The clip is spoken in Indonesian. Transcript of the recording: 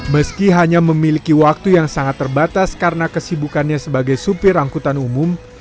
meski hanya memiliki waktu yang sangat terbatas karena kesibukannya sebagai supir angkutan umum